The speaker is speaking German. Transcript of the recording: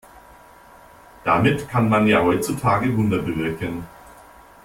Damit kann man ja heutzutage Wunder bewirken.